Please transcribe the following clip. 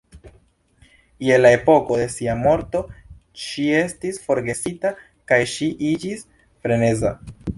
Je la epoko de sia morto ŝi estis forgesita kaj ŝi iĝis freneza.